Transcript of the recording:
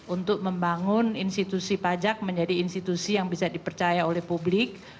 untuk membangun institusi pajak menjadi institusi yang bisa dipercaya oleh publik